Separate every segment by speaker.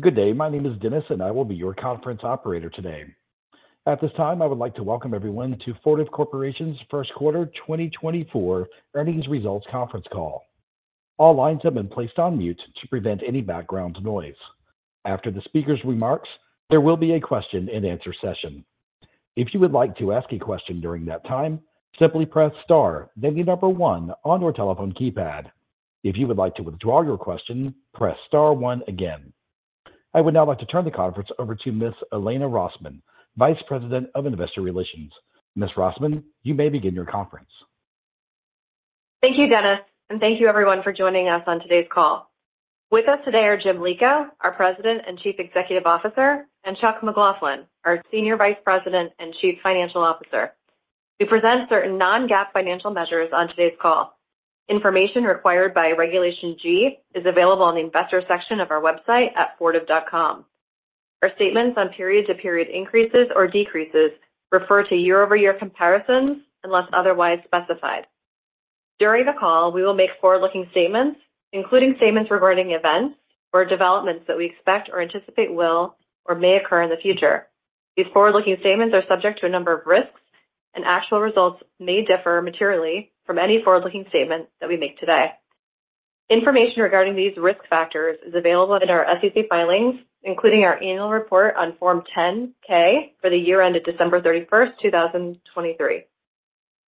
Speaker 1: Good day, my name is Dennis and I will be your conference operator today. At this time I would like to welcome everyone to Fortive Corporation's first quarter 2024 earnings results conference call. All lines have been placed on mute to prevent any background noise. After the speaker's remarks, there will be a question and answer session. If you would like to ask a question during that time, simply press star then the number one on your telephone keypad. If you would like to withdraw your question, press star one again. I would now like to turn the conference over to Ms. Elena Rosman, Vice President of Investor Relations. Ms. Rosman, you may begin your conference.
Speaker 2: Thank you, Dennis, and thank you everyone for joining us on today's call. With us today are Jim Lico, our President and Chief Executive Officer, and Chuck McLaughlin, our Senior Vice President and Chief Financial Officer. We present certain non-GAAP financial measures on today's call. Information required by Regulation G is available on the investor section of our website at fortive.com. Our statements on period-to-period increases or decreases refer to year-over-year comparisons unless otherwise specified. During the call we will make forward-looking statements including statements regarding events or developments that we expect or anticipate will or may occur in the future. These forward-looking statements are subject to a number of risks and actual results may differ materially from any forward-looking statement that we make today. Information regarding these risk factors is available in our SEC filings including our annual report on Form 10-K for the year ended December 31st, 2023.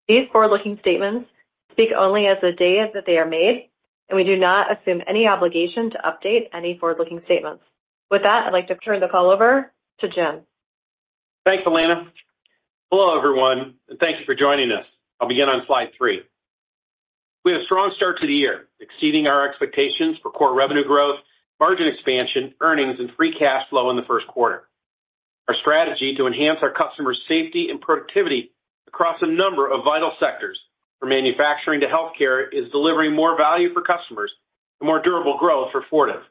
Speaker 2: These forward-looking statements speak only as the day that they are made and we do not assume any obligation to update any forward-looking statements. With that I'd like to turn the call over to Jim.
Speaker 3: Thanks, Elena. Hello, everyone, and thank you for joining us. I'll begin on slide three. We had a strong start to the year exceeding our expectations for core revenue growth, margin expansion, earnings, and free cash flow in the first quarter. Our strategy to enhance our customers' safety and productivity across a number of vital sectors from manufacturing to healthcare is delivering more value for customers and more durable growth for Fortive.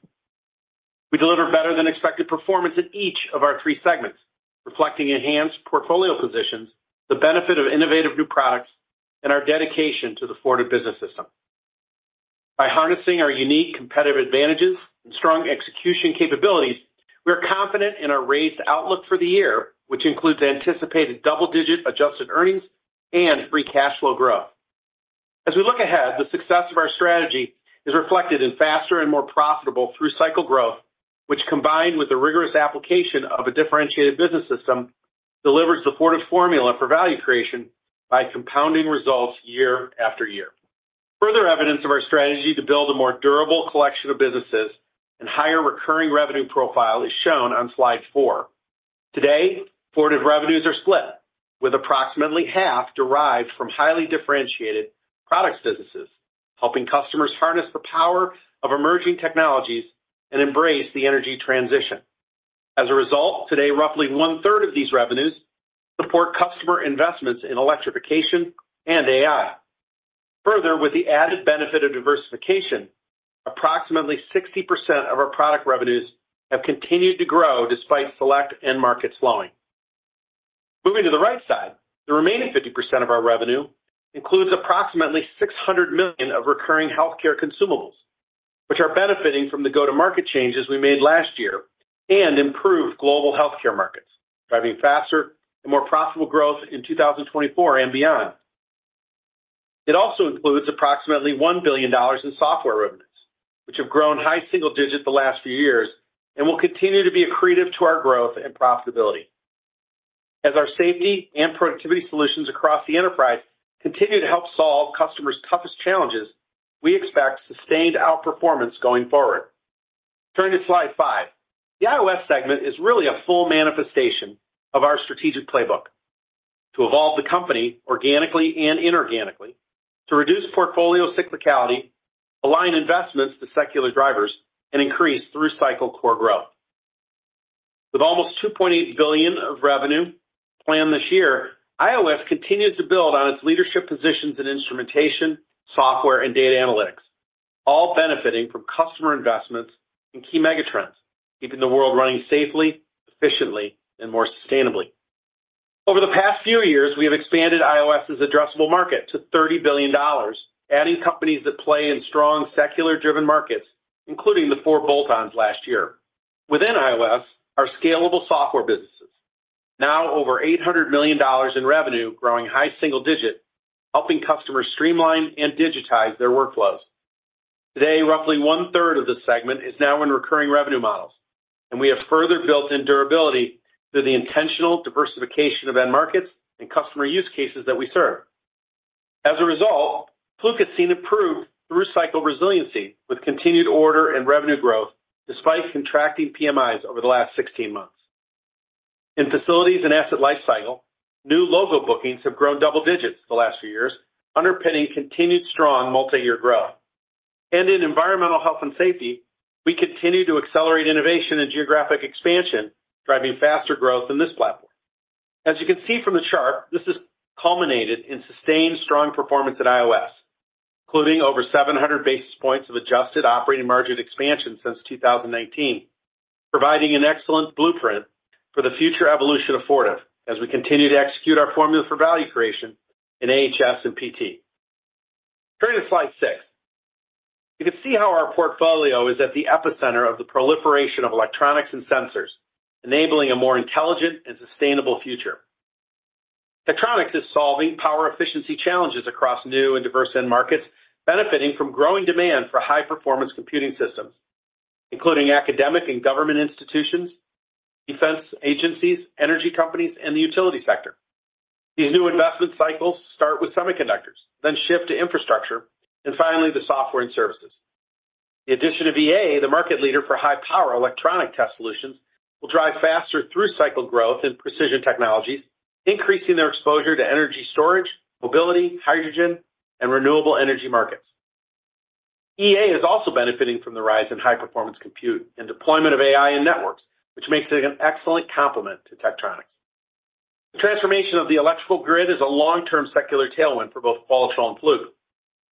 Speaker 3: We deliver better than expected performance in each of our three segments reflecting enhanced portfolio positions, the benefit of innovative new products, and our dedication to the Fortive Business System. By harnessing our unique competitive advantages and strong execution capabilities we are confident in our raised outlook for the year which includes anticipated double-digit adjusted earnings and free cash flow growth. As we look ahead, the success of our strategy is reflected in faster and more profitable through-cycle growth, which combined with the rigorous application of a differentiated business system delivers the Fortive formula for value creation by compounding results year after year. Further evidence of our strategy to build a more durable collection of businesses and higher recurring revenue profile is shown on slide four. Today Fortive revenues are split with approximately half derived from highly differentiated products businesses helping customers harness the power of emerging technologies and embrace the energy transition. As a result, today roughly one-third of these revenues support customer investments in electrification and AI. Further, with the added benefit of diversification, approximately 60% of our product revenues have continued to grow despite select end markets slowing. Moving to the right side, the remaining 50% of our revenue includes approximately $600 million of recurring healthcare consumables which are benefiting from the go-to-market changes we made last year and improved global healthcare markets driving faster and more profitable growth in 2024 and beyond. It also includes approximately $1 billion in software revenues which have grown high single-digit the last few years and will continue to be a driver to our growth and profitability. As our safety and productivity solutions across the enterprise continue to help solve customers' toughest challenges, we expect sustained outperformance going forward. Turning to slide five, the IOS segment is really a full manifestation of our strategic playbook to evolve the company organically and inorganically to reduce portfolio cyclicality, align investments to secular drivers and increase through-cycle core growth. With almost $2.8 billion of revenue planned this year IOS continues to build on its leadership positions in instrumentation, software, and data analytics all benefiting from customer investments and key megatrends keeping the world running safely, efficiently, and more sustainably. Over the past few years we have expanded IOS's addressable market to $30 billion adding companies that play in strong secular-driven markets including the four bolt-ons last year. Within IOS are scalable software businesses now over $800 million in revenue growing high single digit helping customers streamline and digitize their workflows. Today roughly 1/3 of the segment is now in recurring revenue models and we have further built-in durability through the intentional diversification of end markets and customer use cases that we serve. As a result Fluke has seen improved through-cycle resiliency with continued order and revenue growth despite contracting PMIs over the last 16 months. In Facilities and Asset Lifecycle, new logo bookings have grown double digits the last few years, underpinning continued strong multi-year growth. In Environmental Health and Safety, we continue to accelerate innovation and geographic expansion, driving faster growth in this platform. As you can see from the chart, this has culminated in sustained strong performance at IOS, including over 700 basis points of adjusted operating margin expansion since 2019, providing an excellent blueprint for the future evolution of Fortive as we continue to execute our formula for value creation in AHS and PT. Turning to slide six, you can see how our portfolio is at the epicenter of the proliferation of electronics and sensors, enabling a more intelligent and sustainable future. Electronics is solving power efficiency challenges across new and diverse end markets benefiting from growing demand for high-performance computing systems including academic and government institutions, defense agencies, energy companies, and the utility sector. These new investment cycles start with semiconductors then shift to infrastructure and finally the software and services. The addition of EA, the market leader for high-power electronic test solutions, will drive faster through-cycle growth in precision technologies increasing their exposure to energy storage, mobility, hydrogen, and renewable energy markets. EA is also benefiting from the rise in high-performance compute and deployment of AI in networks which makes it an excellent complement to Tektronix. The transformation of the electrical grid is a long-term secular tailwind for both Qualitrol and Fluke.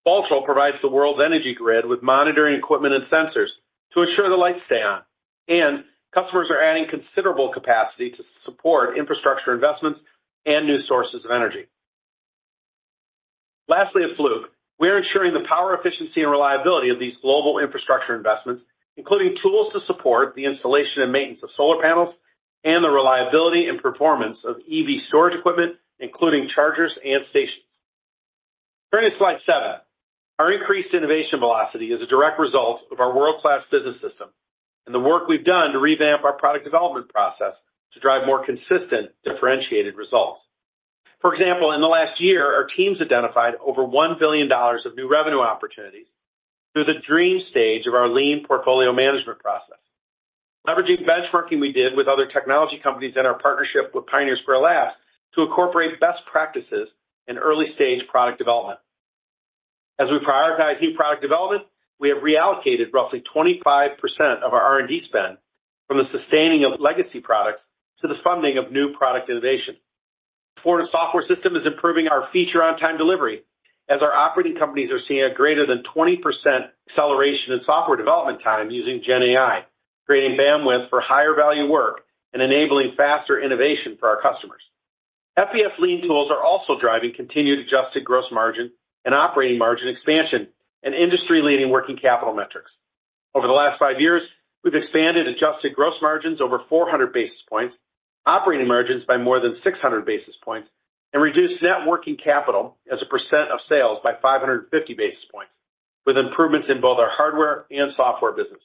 Speaker 3: Qualitrol provides the world's energy grid with monitoring equipment and sensors to ensure the lights stay on and customers are adding considerable capacity to support infrastructure investments and new sources of energy. Lastly at Fluke we are ensuring the power efficiency and reliability of these global infrastructure investments including tools to support the installation and maintenance of solar panels and the reliability and performance of EV storage equipment including chargers and stations. Turning to slide seven, our increased innovation velocity is a direct result of our world-class business system and the work we've done to revamp our product development process to drive more consistent differentiated results. For example, in the last year our teams identified over $1 billion of new revenue opportunities through the dream stage of our Lean Portfolio Management process leveraging benchmarking we did with other technology companies and our partnership with Pioneer Square Labs to incorporate best practices in early-stage product development. As we prioritize new product development we have reallocated roughly 25% of our R&D spend from the sustaining of legacy products to the funding of new product innovation. The Fortive Software System is improving our feature-on-time delivery as our operating companies are seeing a greater than 20% acceleration in software development time using GenAI creating bandwidth for higher value work and enabling faster innovation for our customers. FBS lean tools are also driving continued adjusted gross margin and operating margin expansion and industry-leading working capital metrics. Over the last five years we've expanded adjusted gross margins over 400 basis points, operating margins by more than 600 basis points, and reduced net working capital as a percent of sales by 550 basis points with improvements in both our hardware and software business.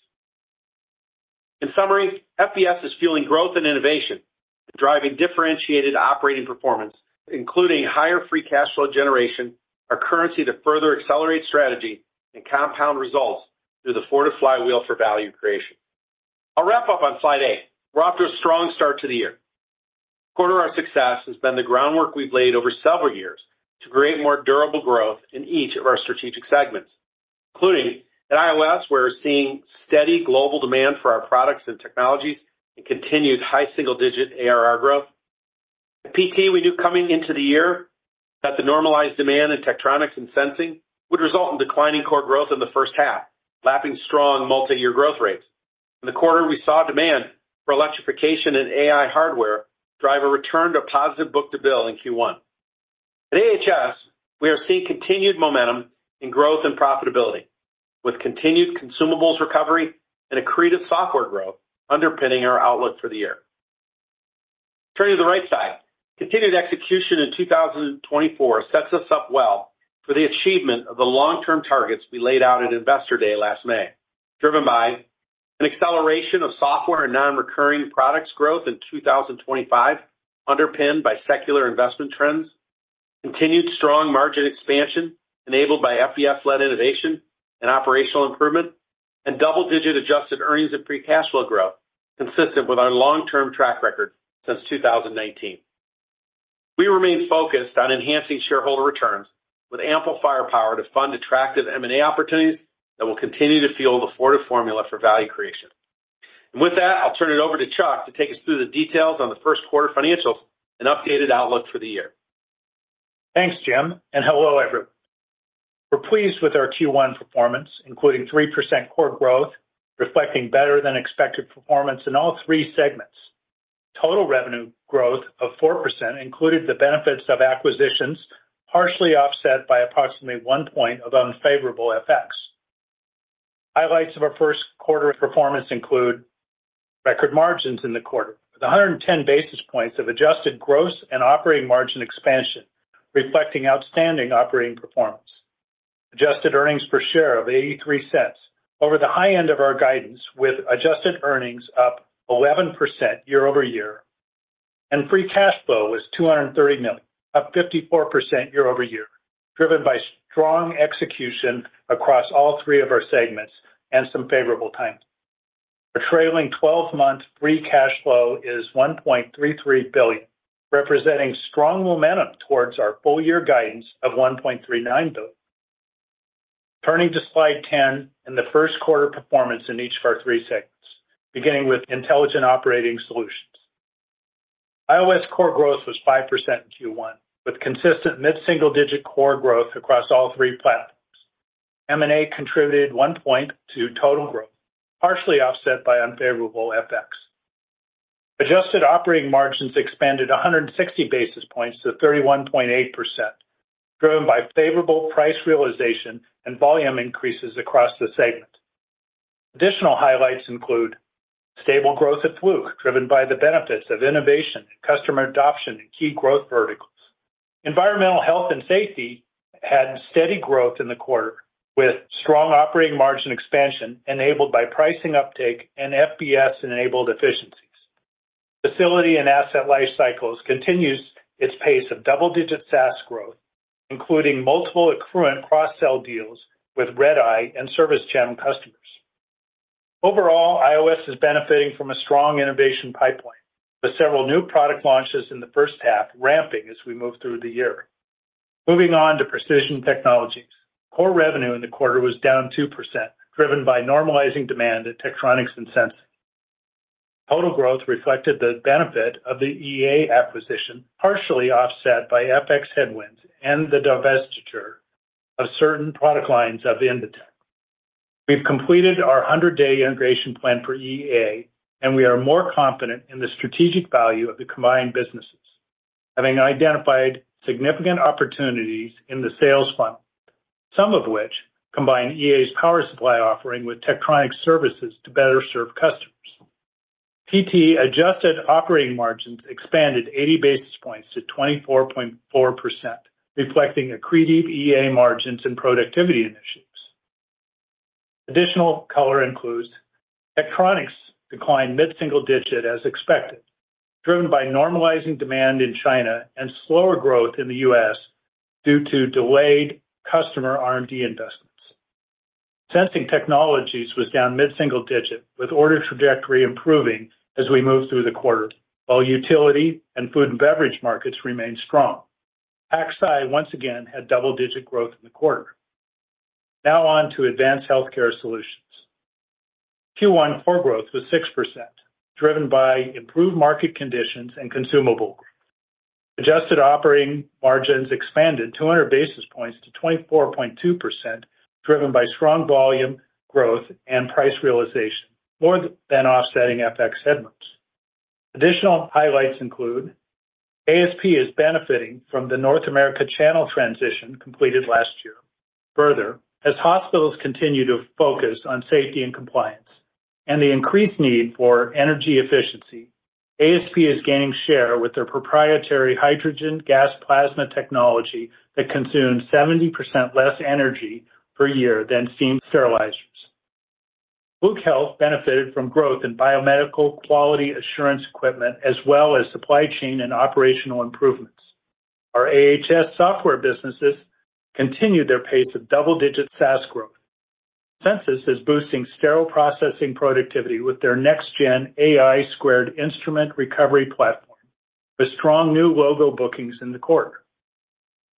Speaker 3: In summary, FBS is fueling growth and innovation and driving differentiated operating performance including higher free cash flow generation, our currency to further accelerate strategy and compound results through the Fortive flywheel for value creation. I'll wrap up on slide eight. We're off to a strong start to the year. Core to our success has been the groundwork we've laid over several years to create more durable growth in each of our strategic segments including at IOS. We're seeing steady global demand for our products and technologies and continued high single-digit ARR growth. At PT we knew coming into the year that the normalized demand in Tektronix and sensing would result in declining core growth in the first half lapping strong multi-year growth rates. In the quarter we saw demand for electrification and AI hardware drive a return to positive book-to-bill in Q1. At AHS we are seeing continued momentum in growth and profitability with continued consumables recovery and accretive software growth underpinning our outlook for the year. Turning to the right side continued execution in 2024 sets us up well for the achievement of the long-term targets we laid out at Investor Day last May driven by an acceleration of software and non-recurring products growth in 2025 underpinned by secular investment trends continued strong margin expansion enabled by FBS-led innovation and operational improvement and double-digit adjusted earnings and free cash flow growth consistent with our long-term track record since 2019. We remain focused on enhancing shareholder returns with ample firepower to fund attractive M&A opportunities that will continue to fuel the Fortive formula for value creation. With that I'll turn it over to Chuck to take us through the details on the first quarter financials and updated outlook for the year.
Speaker 4: Thanks, Jim, and hello everyone. We're pleased with our Q1 performance including 3% core growth reflecting better than expected performance in all three segments. Total revenue growth of 4% included the benefits of acquisitions partially offset by approximately 1 point of unfavorable FX. Highlights of our first quarter performance include record margins in the quarter with 110 basis points of adjusted gross and operating margin expansion reflecting outstanding operating performance. Adjusted earnings per share of $0.83 over the high end of our guidance with adjusted earnings up 11% year-over-year and free cash flow was $230 million up 54% year-over-year driven by strong execution across all three of our segments and some favorable timing. Our trailing 12-month free cash flow is $1.33 billion representing strong momentum towards our full-year guidance of $1.39 billion. Turning to slide 10 and the first quarter performance in each of our three segments beginning with Intelligent Operating Solutions. IOS core growth was 5% in Q1 with consistent mid-single digit core growth across all three platforms. M&A contributed one point to total growth partially offset by unfavorable FX. Adjusted operating margins expanded 160 basis points to 31.8% driven by favorable price realization and volume increases across the segment. Additional highlights include stable growth at Fluke driven by the benefits of innovation and customer adoption in key growth verticals. Environmental health and safety had steady growth in the quarter with strong operating margin expansion enabled by pricing uptake and FBS-enabled efficiencies. Facility and Asset Lifecycle continues its pace of double-digit SaaS growth including multiple Accruent cross-sell deals with RedEye and ServiceChannel customers. Overall IOS is benefiting from a strong innovation pipeline with several new product launches in the first half ramping as we move through the year. Moving on to Precision Technologies, core revenue in the quarter was down 2% driven by normalizing demand at Tektronix and sensing. Total growth reflected the benefit of the EA acquisition partially offset by FX headwinds and the divestiture of certain product lines of Invetech. We've completed our 100-day integration plan for EA and we are more confident in the strategic value of the combined businesses having identified significant opportunities in the sales funnel, some of which combine EA's power supply offering with Tektronix services to better serve customers. PT adjusted operating margins expanded 80 basis points to 24.4% reflecting accretive EA margins and productivity initiatives. Additional color includes Tektronix decline mid-single digit as expected driven by normalizing demand in China and slower growth in the U.S. due to delayed customer R&D investments. Sensing Technologies was down mid-single digit with order trajectory improving as we move through the quarter while utility and food and beverage markets remain strong. PT once again had double-digit growth in the quarter. Now on to advanced healthcare solutions. Q1 core growth was 6% driven by improved market conditions and consumable growth. Adjusted operating margins expanded 200 basis points to 24.2% driven by strong volume growth and price realization more than offsetting FX headwinds. Additional highlights include ASP is benefiting from the North America Channel transition completed last year. Further, as hospitals continue to focus on safety and compliance and the increased need for energy efficiency, ASP is gaining share with their proprietary hydrogen gas plasma technology that consumes 70% less energy per year than steam sterilizers. Fluke Biomedical benefited from growth in biomedical quality assurance equipment as well as supply chain and operational improvements. Our AHS software businesses continue their pace of double-digit SaaS growth. Censis is boosting sterile processing productivity with their next-gen AI squared instrument recovery platform with strong new logo bookings in the quarter.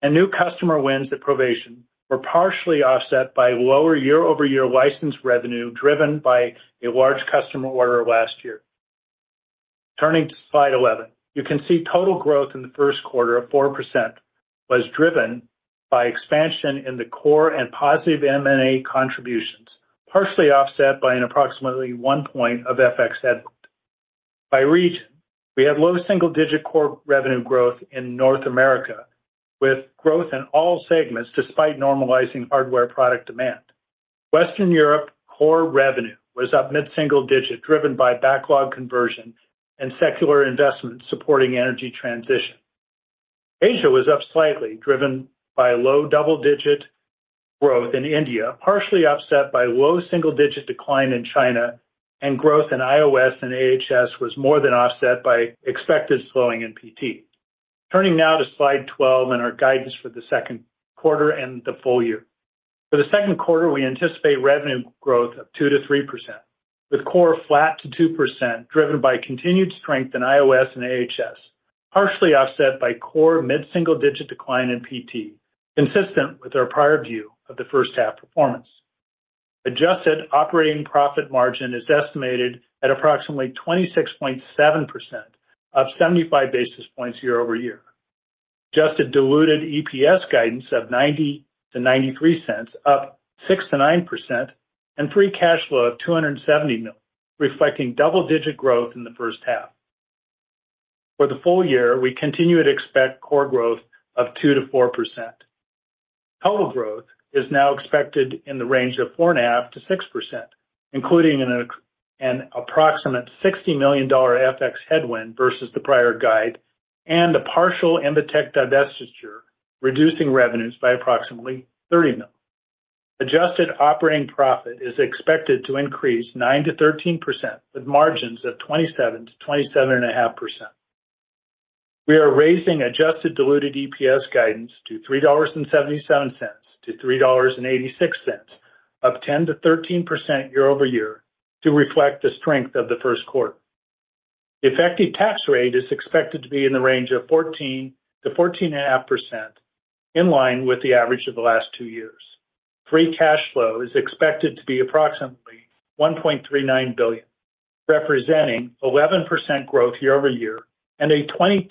Speaker 4: New customer wins at Provation were partially offset by lower year-over-year license revenue driven by a large customer order last year. Turning to slide 11, you can see total growth in the first quarter of 4% was driven by expansion in the core and positive M&A contributions partially offset by an approximately one point of FX headwind. By region we had low single-digit core revenue growth in North America with growth in all segments despite normalizing hardware product demand. Western Europe core revenue was up mid-single-digit driven by backlog conversion and secular investment supporting energy transition. Asia was up slightly driven by low double-digit growth in India partially offset by low single-digit decline in China and growth in IOS and AHS was more than offset by expected slowing in PT. Turning now to slide 12 and our guidance for the second quarter and the full year. For the second quarter we anticipate revenue growth of 2%-3% with core flat to 2% driven by continued strength in IOS and AHS partially offset by core mid-single-digit decline in PT consistent with our prior view of the first half performance. Adjusted operating profit margin is estimated at approximately 26.7%, up 75 basis points year-over-year. Adjusted diluted EPS guidance of $0.90-$0.93, up 6%-9%, and free cash flow of $270 million reflecting double-digit growth in the first half. For the full year we continue to expect core growth of 2%-4%. Total growth is now expected in the range of 4.5%-6% including an approximate $60 million FX headwind versus the prior guide and a partial Invetech divestiture reducing revenues by approximately $30 million. Adjusted operating profit is expected to increase 9%-13% with margins of 27%-27.5%. We are raising adjusted diluted EPS guidance to $3.77-$3.86 up 10%-13% year-over-year to reflect the strength of the first quarter. The effective tax rate is expected to be in the range of 14%-14.5% in line with the average of the last two years. Free cash flow is expected to be approximately $1.39 billion representing 11% growth year-over-year and a 22%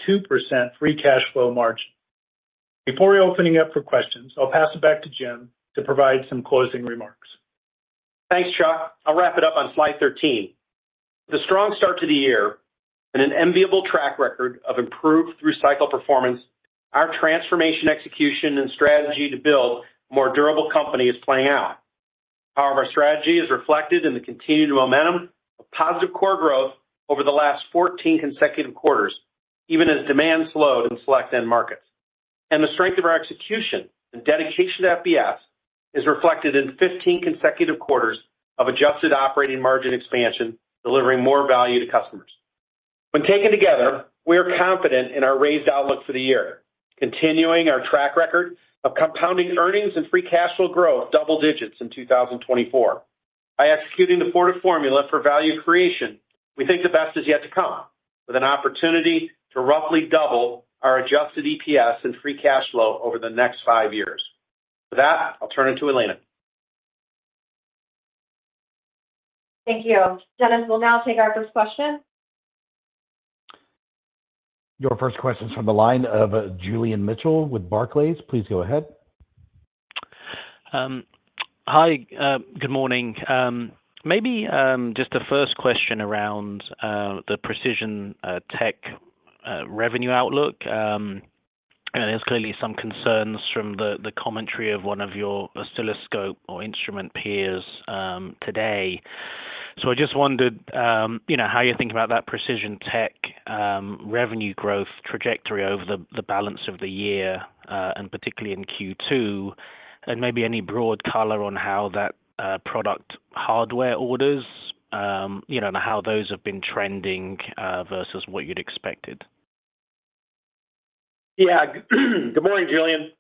Speaker 4: free cash flow margin. Before opening up for questions I'll pass it back to Jim to provide some closing remarks.
Speaker 3: Thanks Chuck. I'll wrap it up on slide 13. With a strong start to the year and an enviable track record of improved through-cycle performance, our transformation execution and strategy to build a more durable company is playing out. However, our strategy is reflected in the continued momentum of positive core growth over the last 14 consecutive quarters, even as demand slowed in select end markets. The strength of our execution and dedication to FBS is reflected in 15 consecutive quarters of adjusted operating margin expansion, delivering more value to customers. When taken together, we are confident in our raised outlook for the year, continuing our track record of compounding earnings and free cash flow growth double digits in 2024. By executing the Fortive formula for value creation we think the best is yet to come with an opportunity to roughly double our adjusted EPS and free cash flow over the next five years. With that I'll turn it to Elena.
Speaker 2: Thank you. Dennis, we'll now take our first question.
Speaker 1: Your first question is from the line of Julian Mitchell with Barclays. Please go ahead.
Speaker 5: Hi, good morning. Maybe just a first question around the precision tech revenue outlook. There's clearly some concerns from the commentary of one of your oscilloscope or instrument peers today. So I just wondered how you're thinking about that precision tech revenue growth trajectory over the balance of the year and particularly in Q2 and maybe any broad color on how that product hardware orders and how those have been trending versus what you'd expected?
Speaker 3: Yeah, good morning, Julian.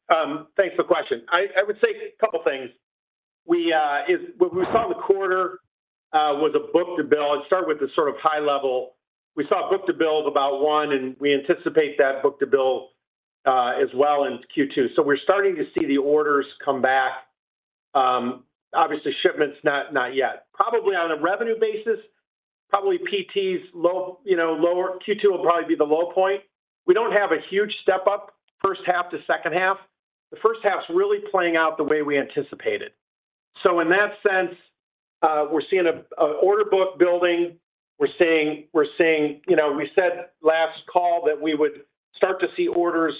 Speaker 3: Thanks for the question. I would say a couple things. We saw the quarter was a book-to-bill. I'd start with the sort of high level. We saw a book-to-bill of about one and we anticipate that book-to-bill as well in Q2. So we're starting to see the orders come back. Obviously shipments not yet. Probably on a revenue basis, probably PT's low Q2 will probably be the low point. We don't have a huge step up first half to second half. The first half's really playing out the way we anticipated. So in that sense we're seeing an order book building. We're seeing we said last call that we would start to see orders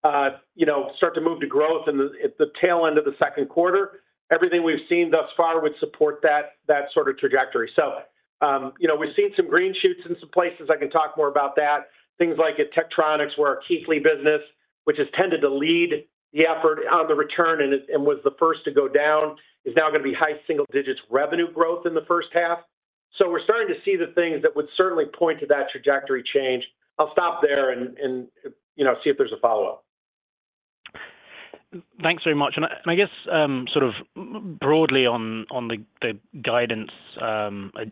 Speaker 3: start to move to growth in the tail end of the second quarter. Everything we've seen thus far would support that sort of trajectory. So we've seen some green shoots in some places. I can talk more about that. Things like at Tektronix where our Keithley business which has tended to lead the effort on the return and was the first to go down is now going to be high single digit revenue growth in the first half. So we're starting to see the things that would certainly point to that trajectory change. I'll stop there and see if there's a follow-up.
Speaker 5: Thanks very much. I guess sort of broadly on the guidance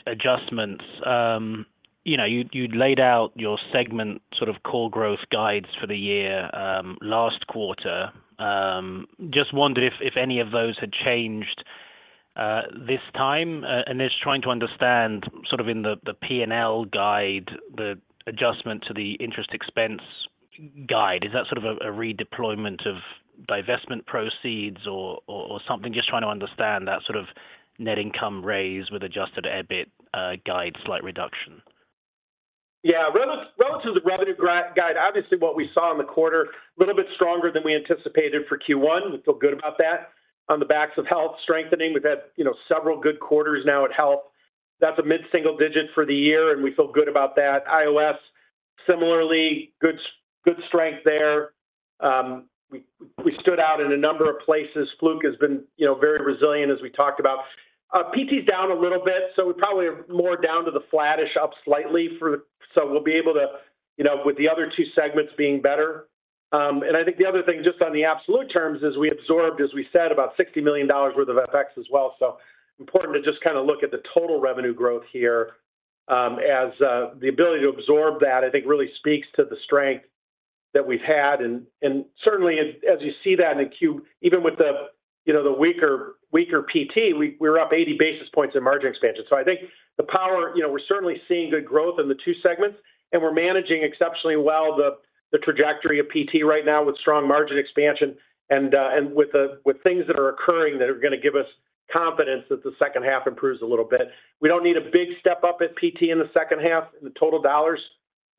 Speaker 5: adjustments you'd laid out your segment sort of core growth guides for the year last quarter. Just wondered if any of those had changed this time. I'm trying to understand sort of in the P&L guide the adjustment to the interest expense guide. Is that sort of a redeployment of divestment proceeds or something? Just trying to understand that sort of net income raise with adjusted EBIT guide slight reduction.
Speaker 3: Yeah, relative to the revenue guide, obviously what we saw in the quarter a little bit stronger than we anticipated for Q1. We feel good about that. On the backs of health strengthening we've had several good quarters now at health. That's a mid-single digit for the year and we feel good about that. IOS similarly good strength there. We stood out in a number of places. Fluke has been very resilient as we talked about. PT's down a little bit so we probably are more down to the flat-ish up slightly for the so we'll be able to with the other two segments being better. And I think the other thing just on the absolute terms is we absorbed as we said about $60 million worth of FX as well. It's important to just kind of look at the total revenue growth here as the ability to absorb that. I think that really speaks to the strength that we've had. And certainly as you see that in the Q, even with the weaker PT, we were up 80 basis points in margin expansion. So I think the power we're certainly seeing good growth in the two segments and we're managing exceptionally well the trajectory of PT right now with strong margin expansion and with things that are occurring that are going to give us confidence that the second half improves a little bit. We don't need a big step up at PT in the second half in the total dollars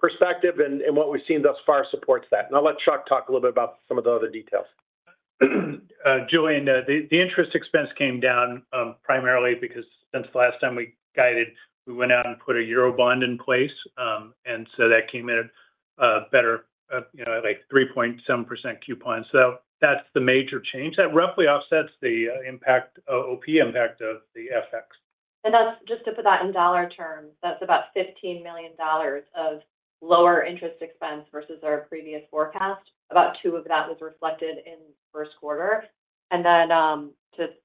Speaker 3: perspective and what we've seen thus far supports that. And I'll let Chuck talk a little bit about some of the other details.
Speaker 4: Julian, the interest expense came down primarily because since the last time we guided we went out and put a Eurobond in place and so that came in a better like 3.7% coupon. So that's the major change. That roughly offsets the impact OP impact of the FX.
Speaker 2: That's just to put that in dollar terms that's about $15 million of lower interest expense versus our previous forecast. About two of that was reflected in the first quarter. Then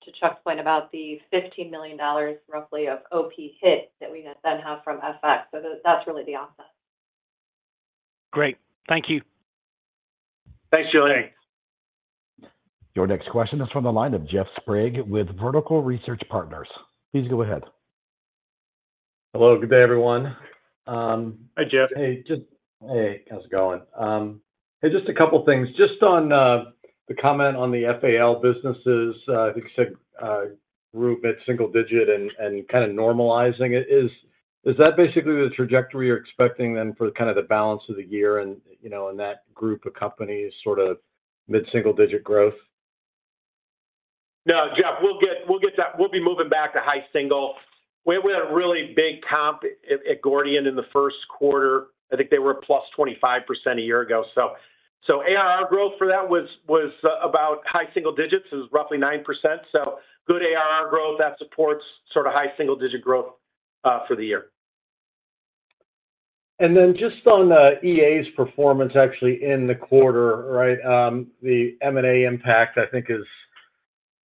Speaker 2: to Chuck's point about the $15 million roughly of OP hit that we then have from FX. That's really the offset.
Speaker 5: Great. Thank you.
Speaker 3: Thanks Julian.
Speaker 1: Your next question is from the line of Jeff Sprague with Vertical Research Partners. Please go ahead.
Speaker 6: Hello, good day, everyone.
Speaker 3: Hi Jeff.
Speaker 6: Hey, just—hey, how's it going? Hey, just a couple things. Just on the comment on the FAL businesses, I think you said group mid-single-digit and kind of normalizing it. Is that basically the trajectory you're expecting then for kind of the balance of the year and that group of companies sort of mid-single-digit growth?
Speaker 3: No, Jeff, we'll get that. We'll be moving back to high single. We had a really big comp at Gordian in the first quarter. I think they were +25% a year ago. So ARR growth for that was about high single digits, is roughly 9%. So good ARR growth. That supports sort of high single-digit growth for the year.
Speaker 6: And then just on EA's performance actually in the quarter, right? The M&A impact I think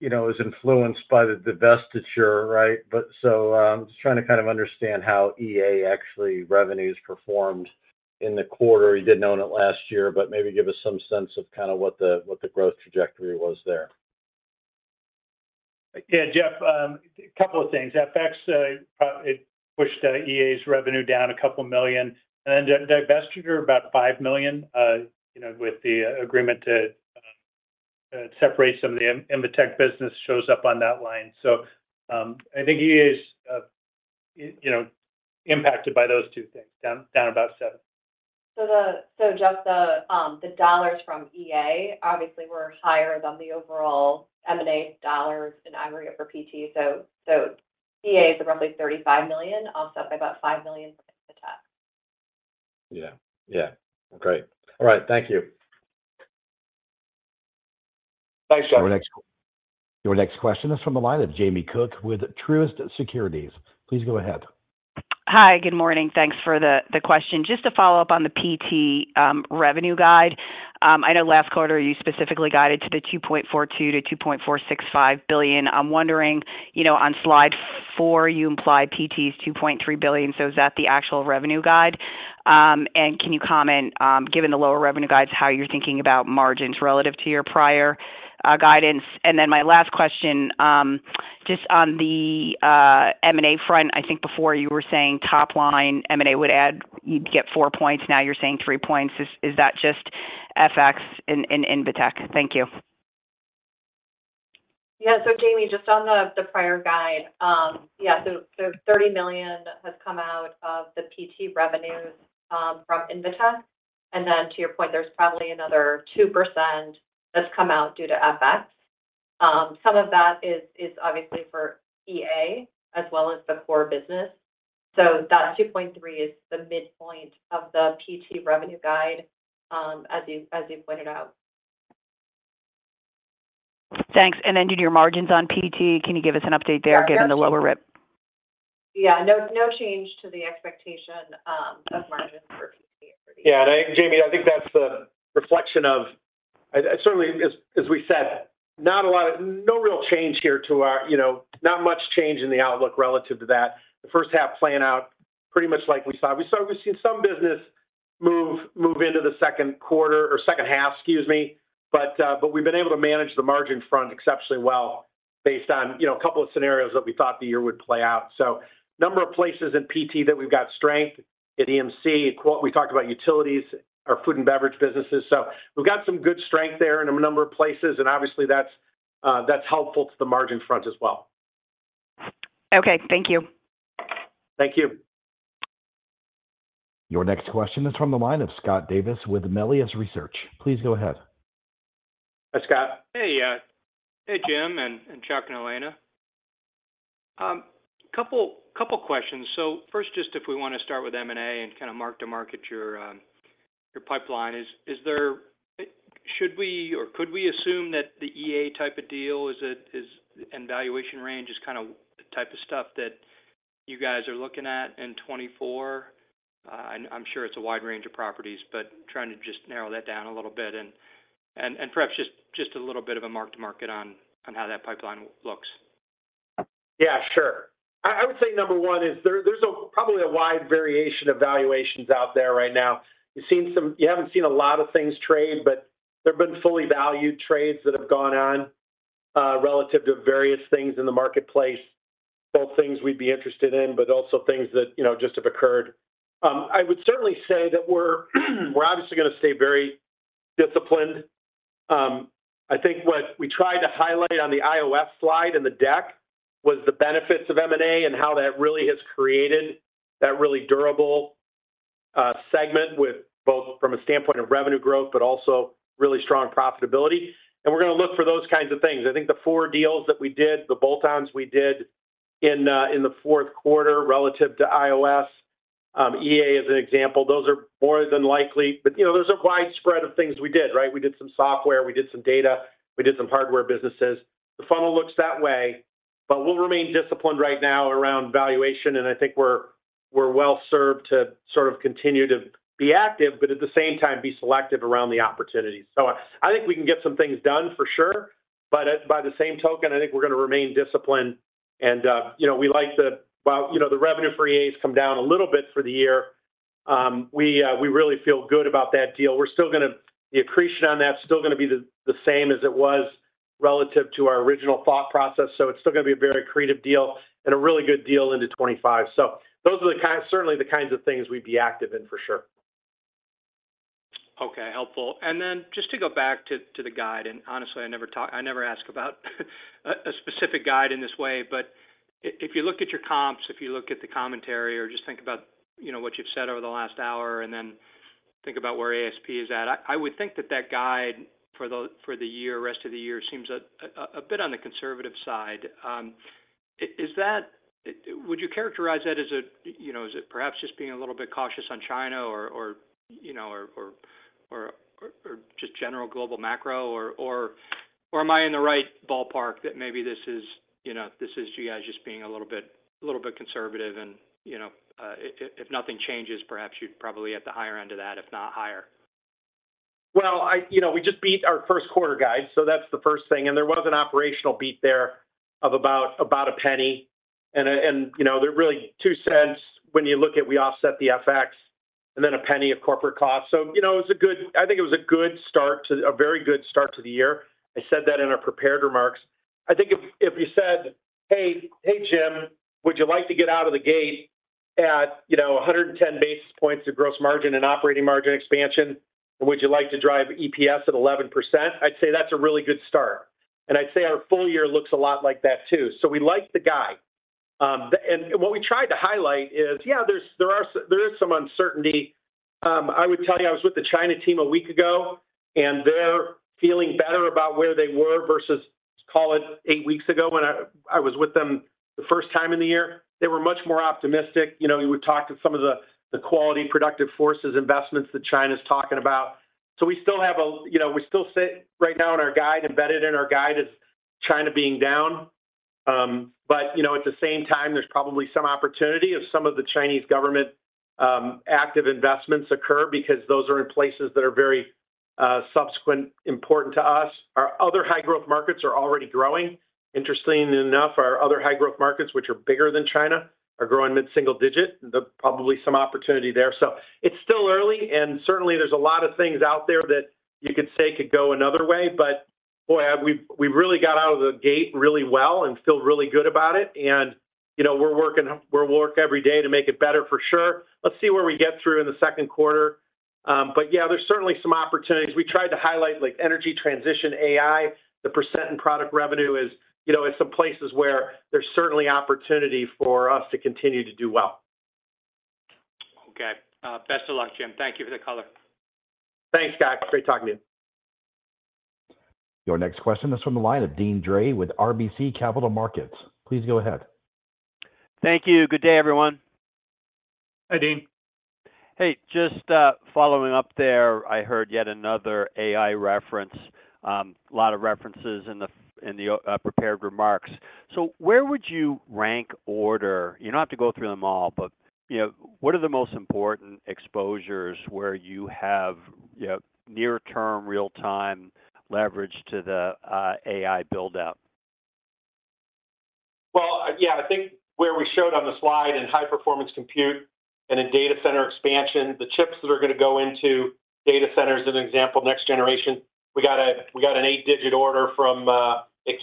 Speaker 6: is influenced by the divestiture, right? But so just trying to kind of understand how EA's actual revenues performed in the quarter. You didn't own it last year but maybe give us some sense of kind of what the growth trajectory was there.
Speaker 3: Yeah, Jeff, a couple of things. FX, it pushed EA's revenue down $2 million and then divestiture about $5 million with the agreement to separate some of the Intelex business shows up on that line. So I think EA's impacted by those two things down about $7 million.
Speaker 2: So, Jeff, the dollars from EA obviously were higher than the overall M&A dollars in aggregate for PT. So EA is roughly $35 million offset by about $5 million from Intelex.
Speaker 6: Yeah. Yeah. Great. All right. Thank you.
Speaker 3: Thanks Jeff.
Speaker 1: Your next question is from the line of Jamie Cook with Truist Securities. Please go ahead.
Speaker 7: Hi, good morning. Thanks for the question. Just to follow-up on the PT revenue guide. I know last quarter you specifically guided to the $2.42 billion-$2.465 billion. I'm wondering on slide four you imply PT's $2.3 billion so is that the actual revenue guide? And can you comment given the lower revenue guides how you're thinking about margins relative to your prior guidance? And then my last question just on the M&A front I think before you were saying top line M&A would add you'd get four points. Now you're saying three points. Is that just FX and Invetech? Thank you.
Speaker 2: Yeah, so Jamie, just on the prior guide, yeah, the $30 million has come out of the PT revenues from Invetech. And then to your point, there's probably another 2% that's come out due to FX. Some of that is obviously for EA as well as the core business. So that 2.3 is the midpoint of the PT revenue guide as you pointed out.
Speaker 7: Thanks. And then your margins on PT, can you give us an update there given the lower mix?
Speaker 2: Yeah, no change to the expectation of margins for PT.
Speaker 3: Yeah, and I think, Jamie, I think that's the reflection of certainly as we said not a lot of no real change here to our not much change in the outlook relative to that. The first half plan out pretty much like we saw. We saw we've seen some business move into the second quarter or second half, excuse me. But we've been able to manage the margin front exceptionally well based on a couple of scenarios that we thought the year would play out. So number of places in PT that we've got strength at EMC we talked about utilities our food and beverage businesses. So we've got some good strength there in a number of places and obviously that's helpful to the margin front as well.
Speaker 7: Okay. Thank you.
Speaker 3: Thank you.
Speaker 1: Your next question is from the line of Scott Davis with Melius Research. Please go ahead.
Speaker 3: Hi Scott.
Speaker 8: Hey Jim and Chuck and Elena. A couple questions. So first just if we want to start with M&A and kind of mark to market your pipeline. Is there should we or could we assume that the EA type of deal is and valuation range is kind of the type of stuff that you guys are looking at in 2024? I'm sure it's a wide range of properties but trying to just narrow that down a little bit and perhaps just a little bit of a mark to market on how that pipeline looks.
Speaker 3: Yeah, sure. I would say number one is, there's probably a wide variation of valuations out there right now. You've seen some. You haven't seen a lot of things trade, but there have been fully valued trades that have gone on relative to various things in the marketplace. Both things we'd be interested in, but also things that just have occurred. I would certainly say that we're obviously going to stay very disciplined. I think what we tried to highlight on the IOS slide in the deck was the benefits of M&A and how that really has created that really durable segment with both, from a standpoint of revenue growth but also really strong profitability. We're going to look for those kinds of things. I think the four deals that we did, the bolt-ons we did in the fourth quarter relative to IOS, EA as an example, those are more than likely, but there's a widespread of things we did, right? We did some software. We did some data. We did some hardware businesses. The funnel looks that way. But we'll remain disciplined right now around valuation, and I think we're well served to sort of continue to be active but at the same time be selective around the opportunities. So I think we can get some things done for sure, but by the same token I think we're going to remain disciplined, and we like the while the revenue for EA's come down a little bit for the year we really feel good about that deal. We're still going to see the accretion on that. That's still going to be the same as it was relative to our original thought process. So it's still going to be a very accretive deal and a really good deal into 2025. So those are certainly the kinds of things we'd be active in for sure.
Speaker 8: Okay. Helpful. And then, just to go back to the guide, and honestly I never talk I never ask about a specific guide in this way, but if you look at your comps, if you look at the commentary, or just think about what you've said over the last hour, and then think about where ASP is at, I would think that that guide for the year, rest of the year, seems a bit on the conservative side. Is that? Would you characterize that as a? Is it perhaps just being a little bit cautious on China, or or or or just general global macro, or am I in the right ballpark that maybe this is this is you guys just being a little bit conservative, and if nothing changes, perhaps you'd probably at the higher end of that, if not higher.
Speaker 3: Well, we just beat our first quarter guide, so that's the first thing. There was an operational beat there of about $0.01. There really [were] two cents when you look at we offset the FX and then $0.01 of corporate costs. So it was a good—I think it was a very good start to the year. I said that in our prepared remarks. I think if you said, "Hey, Jim, would you like to get out of the gate at 110 basis points of gross margin and operating margin expansion and would you like to drive EPS at 11%?" I'd say that's a really good start. I'd say our full year looks a lot like that too. So we like the guide. What we tried to highlight is, yeah, there's some uncertainty. I would tell you I was with the China team a week ago, and they're feeling better about where they were versus, call it, 8 weeks ago when I was with them the first time in the year. They were much more optimistic. You would talk to some of the quality productive forces investments that China's talking about. So we still say right now in our guide embedded in our guide is China being down. But at the same time there's probably some opportunity if some of the Chinese government active investments occur because those are in places that are very significant to us. Our other high growth markets are already growing. Interestingly enough our other high growth markets which are bigger than China are growing mid-single-digit. There'll probably some opportunity there. So it's still early and certainly there's a lot of things out there that you could say could go another way, but boy we've really got out of the gate really well and feel really good about it. And we're working; we'll work every day to make it better for sure. Let's see where we get through in the second quarter. But yeah, there's certainly some opportunities. We tried to highlight energy transition, AI, the percent in product revenue is some places where there's certainly opportunity for us to continue to do well.
Speaker 8: Okay. Best of luck Jim. Thank you for the color.
Speaker 3: Thanks Scott. Great talking to you.
Speaker 1: Your next question is from the line of Deane Dray with RBC Capital Markets. Please go ahead.
Speaker 9: Thank you. Good day everyone.
Speaker 3: Hi Deane.
Speaker 9: Hey, just following up there. I heard yet another AI reference. A lot of references in the prepared remarks. So where would you rank order—you don't have to go through them all—but what are the most important exposures where you have near-term real time leverage to the AI build out?
Speaker 3: Well, yeah, I think where we showed on the slide in high performance compute and in data center expansion the chips that are going to go into data centers as an example next generation. We got an 8-digit order from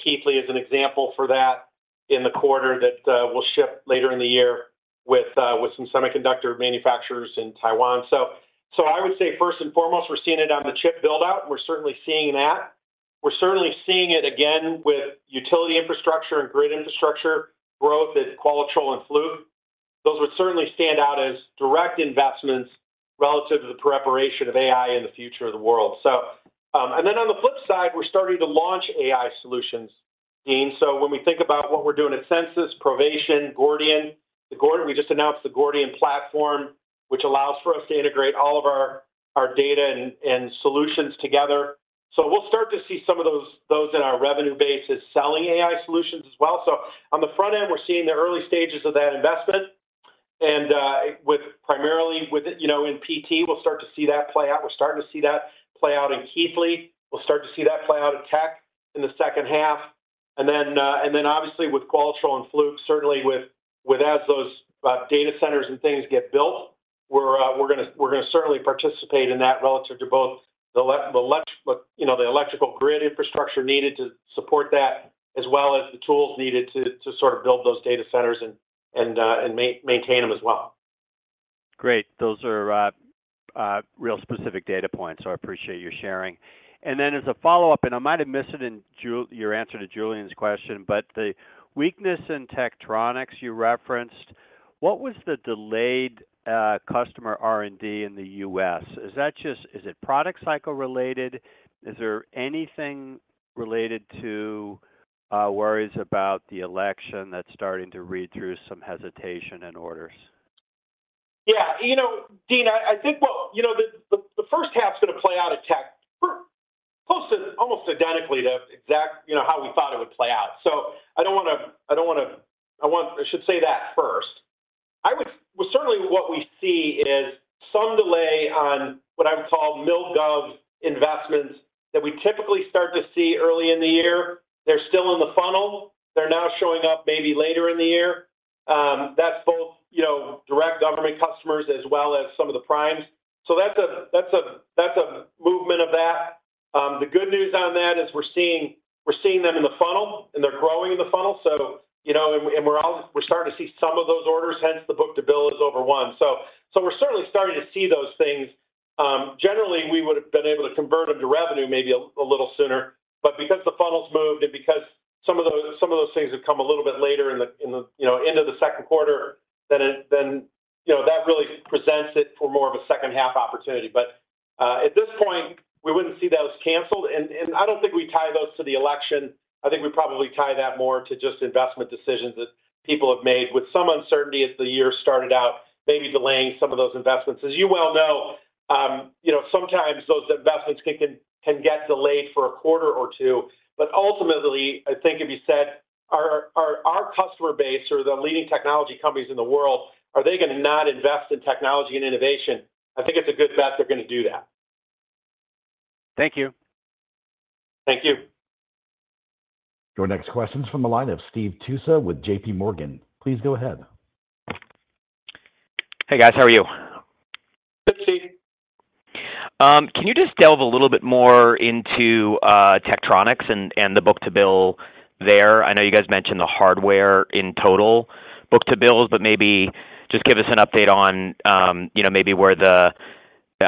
Speaker 3: Keithley as an example for that in the quarter that will ship later in the year with some semiconductor manufacturers in Taiwan. So I would say first and foremost we're seeing it on the chip build out and we're certainly seeing that. We're certainly seeing it again with utility infrastructure and grid infrastructure growth at Qualitrol and Fluke. Those would certainly stand out as direct investments relative to the preparation of AI in the future of the world. And then on the flip side we're starting to launch AI solutions, Deane. So when we think about what we're doing at Censis, Provation, Gordian, we just announced the Gordian platform which allows for us to integrate all of our data and solutions together. So we'll start to see some of those in our revenue bases selling AI solutions as well. So on the front end we're seeing the early stages of that investment and with primarily in PT we'll start to see that play out. We're starting to see that play out in Keithley. We'll start to see that play out in Tek in the second half. And then obviously with Qualitrol and Fluke certainly with as those data centers and things get built we're going to certainly participate in that relative to both the electrical grid infrastructure needed to support that as well as the tools needed to sort of build those data centers and maintain them as well.
Speaker 9: Great. Those are real specific data points so I appreciate your sharing. And then as a follow-up and I might have missed it in your answer to Julian's question but the weakness in Tektronix you referenced what was the delayed customer R&D in the U.S.? Is that just is it product cycle related? Is there anything related to worries about the election that's starting to read through some hesitation and orders?
Speaker 3: Yeah, Deane, I think, well, the first half's going to play out at tech almost identically to exact how we thought it would play out. So I don't want to—I don't want to—I should say that first. I would certainly what we see is some delay on what I would call mil-gov investments that we typically start to see early in the year. They're still in the funnel. They're now showing up maybe later in the year. That's both direct government customers as well as some of the primes. So that's a movement of that. The good news on that is we're seeing them in the funnel and they're growing in the funnel. So and we're all we're starting to see some of those orders hence the book-to-bill is over one. So we're certainly starting to see those things. Generally, we would have been able to convert them to revenue maybe a little sooner, but because the funnel's moved and because some of those things have come a little bit later in the end of the second quarter, then that really presents it for more of a second half opportunity. But at this point, we wouldn't see those canceled, and I don't think we tie those to the election. I think we probably tie that more to just investment decisions that people have made with some uncertainty as the year started out, maybe delaying some of those investments. As you well know, sometimes those investments can get delayed for a quarter or two. Ultimately, I think if you said our customer base or the leading technology companies in the world, are they going to not invest in technology and innovation? I think it's a good bet they're going to do that.
Speaker 9: Thank you.
Speaker 3: Thank you.
Speaker 1: Your next question is from the line of Steve Tusa with JPMorgan. Please go ahead.
Speaker 10: Hey guys. How are you?
Speaker 3: Good Steve.
Speaker 10: Can you just delve a little bit more into Tektronix and the book-to-bill there? I know you guys mentioned the hardware in total book-to-bills, but maybe just give us an update on maybe where the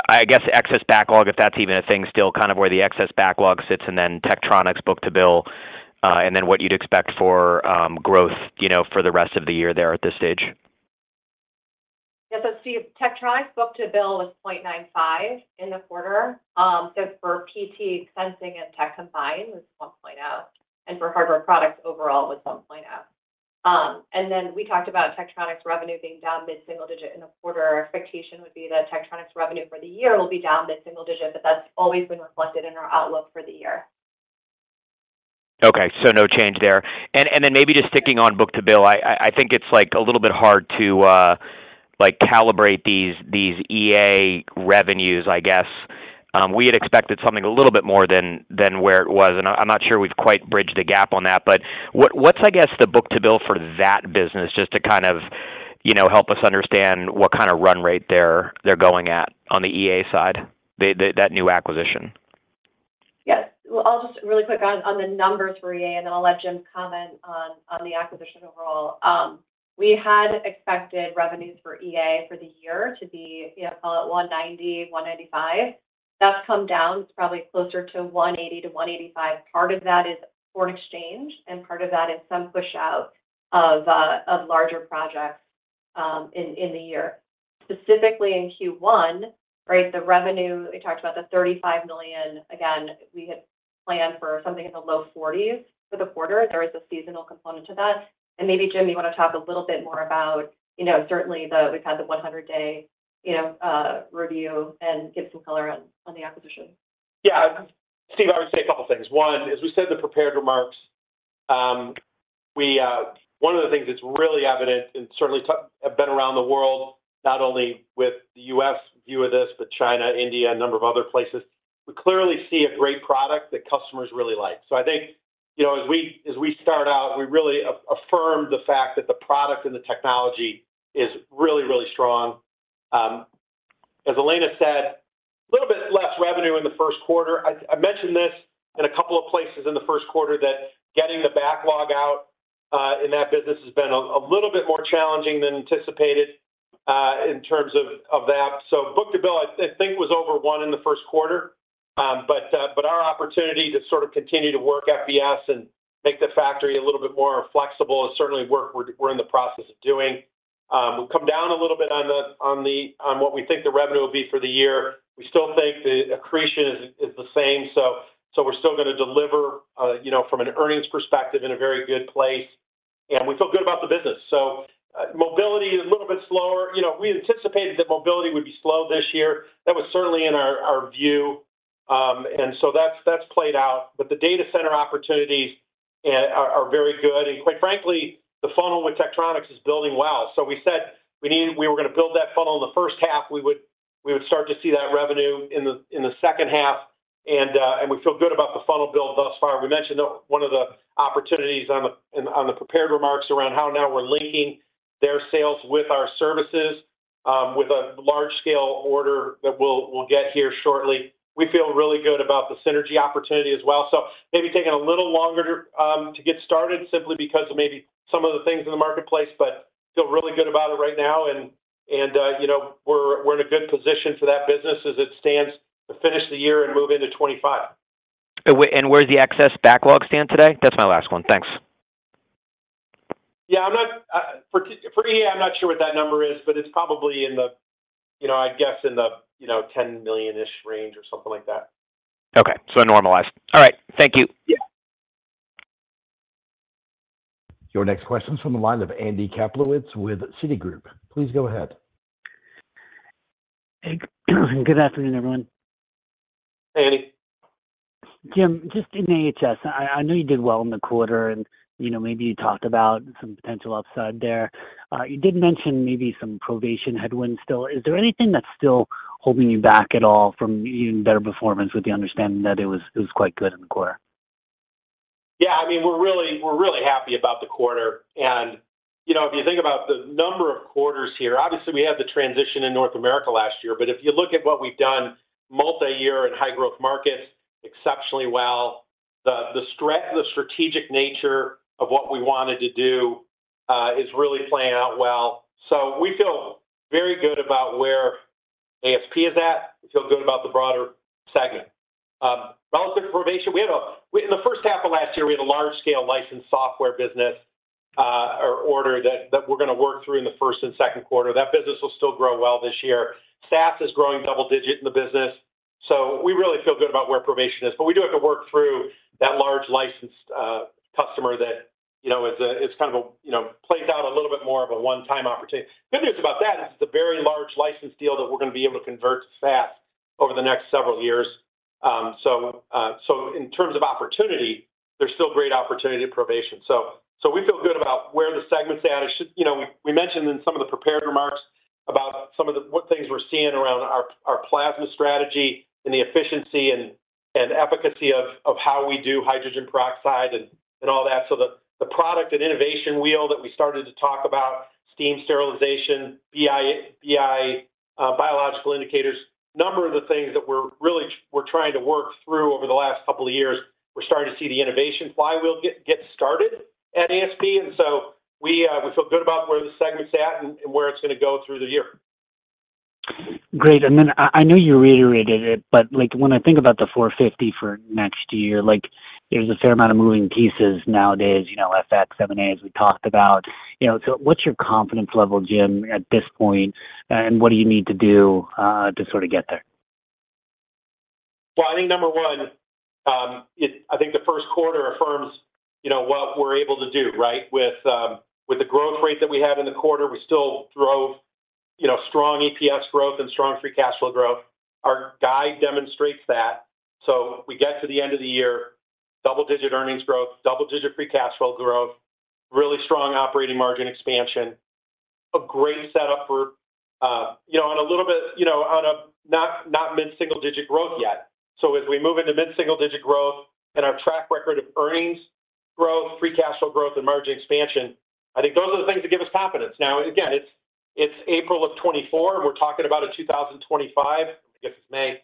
Speaker 10: I guess excess backlog if that's even a thing still kind of where the excess backlog sits and then Tektronix book-to-bill and then what you'd expect for growth for the rest of the year there at this stage.
Speaker 2: Yes, so Steve. Tektronix book-to-bill was 0.95 in the quarter. So for PT sensing and tech combined was 1.0, and for hardware products overall was 1.0. And then we talked about Tektronix revenue being down mid-single-digit in the quarter. Expectation would be that Tektronix revenue for the year will be down mid-single-digit, but that's always been reflected in our outlook for the year.
Speaker 10: Okay. So no change there. And then maybe just sticking on book-to-bill, I think it's a little bit hard to calibrate these EA revenues, I guess. We had expected something a little bit more than where it was, and I'm not sure we've quite bridged the gap on that. But what's, I guess, the book-to-bill for that business just to kind of help us understand what kind of run rate they're going at on the EA side, that new acquisition?
Speaker 2: Yes. Well, I'll just really quick on the numbers for EA and then I'll let Jim comment on the acquisition overall. We had expected revenues for EA for the year to be call it $190 million-$195 million. That's come down. It's probably closer to $180 million-$185 million. Part of that is foreign exchange and part of that is some push out of larger projects in the year. Specifically in Q1 right the revenue we talked about the $35 million again we had planned for something in the low 40s for the quarter. There is a seasonal component to that. And maybe Jim you want to talk a little bit more about certainly we've had the 100-day review and give some color on the acquisition.
Speaker 3: Yeah, Steve, I would say a couple things. One, as we said in the prepared remarks, one of the things that's really evident and certainly been around the world not only with the U.S. view of this but China, India, a number of other places, we clearly see a great product that customers really like. So I think as we start out, we really affirm the fact that the product and the technology is really, really strong. As Elena said, a little bit less revenue in the first quarter. I mentioned this in a couple of places in the first quarter that getting the backlog out in that business has been a little bit more challenging than anticipated in terms of that. So book-to-bill, I think was over one in the first quarter. But our opportunity to sort of continue to work FBS and make the factory a little bit more flexible is certainly work we're in the process of doing. We've come down a little bit on what we think the revenue will be for the year. We still think the accretion is the same. So we're still going to deliver from an earnings perspective in a very good place and we feel good about the business. So mobility is a little bit slower. We anticipated that mobility would be slow this year. That was certainly in our view. And so that's played out. But the data center opportunities are very good and quite frankly the funnel with Tektronix is building well. So we said we were going to build that funnel in the first half. We would start to see that revenue in the second half and we feel good about the funnel build thus far. We mentioned one of the opportunities on the prepared remarks around how now we're linking their sales with our services with a large scale order that we'll get here shortly. We feel really good about the synergy opportunity as well. So maybe taking a little longer to get started simply because of maybe some of the things in the marketplace but feel really good about it right now. And we're in a good position for that business as it stands to finish the year and move into 2025.
Speaker 10: Where's the excess backlog stand today? That's my last one. Thanks.
Speaker 3: Yeah, I'm not. For EA, I'm not sure what that number is, but it's probably in the—I guess—in the $10 million-ish range or something like that.
Speaker 10: Okay. So normalized. All right. Thank you.
Speaker 1: Your next question is from the line of Andy Kaplowitz with Citigroup. Please go ahead.
Speaker 11: Good afternoon everyone.
Speaker 3: Hey Andy.
Speaker 11: Jim, just in AHS, I know you did well in the quarter and maybe you talked about some potential upside there. You did mention maybe some Provation headwinds still. Is there anything that's still holding you back at all from even better performance with the understanding that it was quite good in the quarter?
Speaker 3: Yeah, I mean, we're really happy about the quarter. And if you think about the number of quarters here, obviously we had the transition in North America last year, but if you look at what we've done multiyear in high-growth markets exceptionally well. The strategic nature of what we wanted to do is really playing out well. So we feel very good about where ASP is at. We feel good about the broader segment. Relative to Provation, in the first half of last year we had a large-scale licensed software business order that we're going to work through in the first and second quarter. That business will still grow well this year. SaaS is growing double-digit in the business. So we really feel good about where Provation is. But we do have to work through that large licensed customer that kind of plays out a little bit more of a one-time opportunity. Good news about that is it's a very large licensed deal that we're going to be able to convert to SaaS over the next several years. So in terms of opportunity, there's still great opportunity at Provation. So we feel good about where the segment's at. We mentioned in some of the prepared remarks about some of the things we're seeing around our plasma strategy and the efficiency and efficacy of how we do hydrogen peroxide and all that. So the product and innovation wheel that we started to talk about, steam sterilization, BI biological indicators, number of the things that we're really trying to work through over the last couple of years, we're starting to see the innovation flywheel get started at ASP. And so we feel good about where the segment's at and where it's going to go through the year.
Speaker 11: Great. Then I know you reiterated it but when I think about the $450 for next year there's a fair amount of moving pieces nowadays FX, M&A as we talked about. What's your confidence level Jim at this point and what do you need to do to sort of get there?
Speaker 3: Well, I think number one, I think the first quarter affirms what we're able to do right with the growth rate that we had in the quarter. We still drove strong EPS growth and strong free cash flow growth. Our guide demonstrates that. So we get to the end of the year double-digit earnings growth, double-digit free cash flow growth, really strong operating margin expansion, a great setup for on a little bit on a not mid-single-digit growth yet. So as we move into mid-single-digit growth and our track record of earnings growth, free cash flow growth, and margin expansion, I think those are the things that give us confidence. Now again it's April of 2024 and we're talking about a 2025, I guess it's May.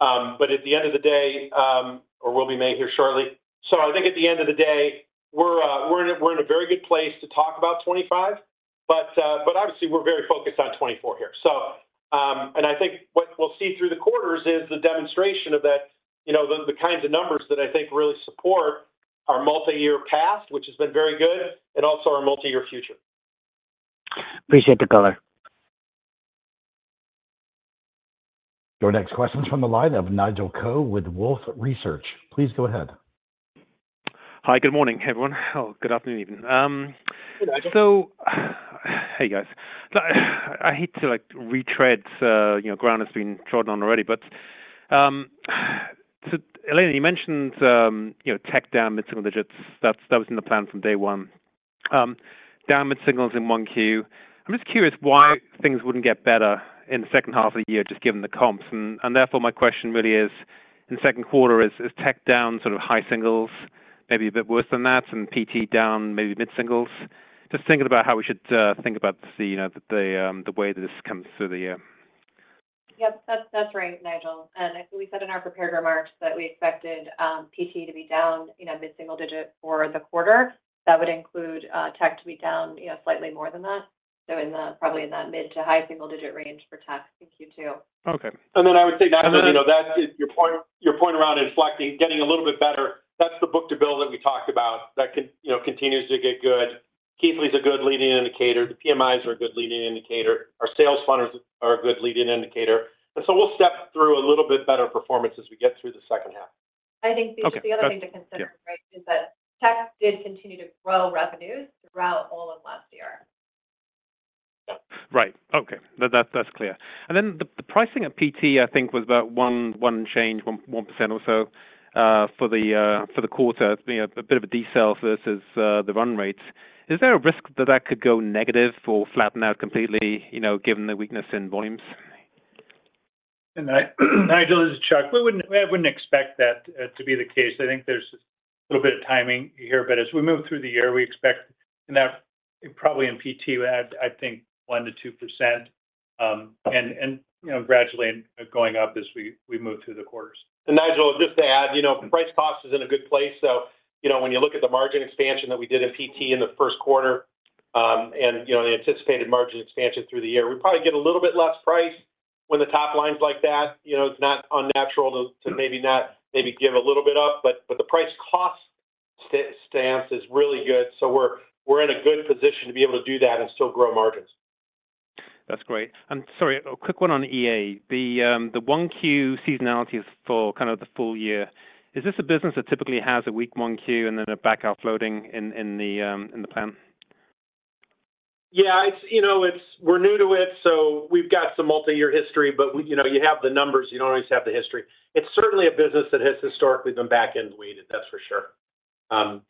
Speaker 3: But at the end of the day or we'll be May here shortly. I think at the end of the day we're in a very good place to talk about 2025 but obviously we're very focused on 2024 here. I think what we'll see through the quarters is the demonstration of that the kinds of numbers that I think really support our multi year past which has been very good and also our multi year future.
Speaker 11: Appreciate the color.
Speaker 1: Your next question is from the line of Nigel Coe with Wolfe Research. Please go ahead.
Speaker 12: Hi, good morning, everyone. Good afternoon, even. So hey, guys. I hate to retread ground that's been trodden on already, but so Elena, you mentioned tech down mid-single digits. That was in the plan from day one. Down mid-singles in 1Q. I'm just curious why things wouldn't get better in the second half of the year just given the comps. And therefore my question really is in second quarter is tech down sort of high singles, maybe a bit worse than that, and PT down maybe mid-singles. Just thinking about how we should think about the way that this comes through the year.
Speaker 2: Yep, that's right, Nigel. We said in our prepared remarks that we expected PT to be down mid-single-digit for the quarter. That would include tech to be down slightly more than that. Probably in that mid- to high-single-digit range for tech in Q2.
Speaker 3: Okay. And then I would say, Nigel, that your point around inflecting getting a little bit better, that's the book-to-bill that we talked about that continues to get good. Keithley's a good leading indicator. The PMIs are a good leading indicator. Our sales funnels are a good leading indicator. And so we'll step through a little bit better performance as we get through the second half.
Speaker 2: I think the other thing to consider is that tech did continue to grow revenues throughout all of last year.
Speaker 12: Right. Okay. That's clear. Then the pricing at PT I think was about 1% change, 1% or so for the quarter. It's been a bit of a de-cel versus the run rates. Is there a risk that that could go negative or flatten out completely given the weakness in volumes?
Speaker 4: Nigel, this is Chuck. We wouldn't expect that to be the case. I think there's a little bit of timing here, but as we move through the year, we expect in that probably in PT I think 1%-2% and gradually going up as we move through the quarters.
Speaker 3: And, Nigel, just to add, price cost is in a good place. So when you look at the margin expansion that we did in PT in the first quarter and the anticipated margin expansion through the year, we probably get a little bit less price when the top line's like that. It's not unnatural to maybe not, maybe give a little bit up, but the price-cost stance is really good. So we're in a good position to be able to do that and still grow margins.
Speaker 12: That's great. And, sorry, a quick one on EA. The 1Q seasonality is for kind of the full year. Is this a business that typically has a weak 1Q and then a back half floating in the plan?
Speaker 3: Yeah, it's we're new to it so we've got some multi-year history but you have the numbers. You don't always have the history. It's certainly a business that has historically been back-end weighted that's for sure. And